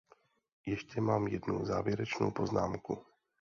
Ještě mám jednu závěrečnou poznámku.